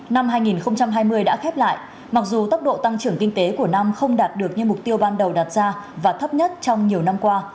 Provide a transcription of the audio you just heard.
năm hai nghìn hai mươi đã khép lại mặc dù tốc độ tăng trưởng kinh tế của năm không đạt được như mục tiêu ban đầu đặt ra và thấp nhất trong nhiều năm qua